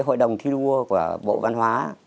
hội đồng thi đua của bộ văn hóa